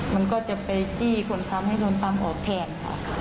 มันก็จะไปจี้คนทำให้โดนตามออกแทนค่ะ